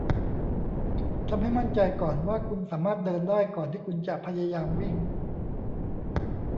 ทำให้มั่นใจก่อนว่าคุณสามารถเดินได้ก่อนที่คุณจะพยายามวิ่ง